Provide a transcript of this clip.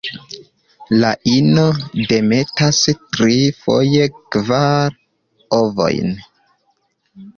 La ino demetas tri, foje kvar, ovojn.